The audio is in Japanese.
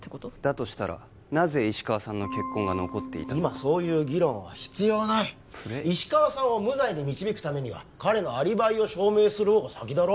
としたらなぜ石川さんの血痕が残っていたか今そういう議論は必要ない石川さんを無罪に導くためには彼のアリバイを証明する方が先だろ？